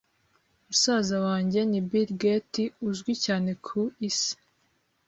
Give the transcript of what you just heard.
Musaza wanjye ni Billgate uzwi cyane ku isi.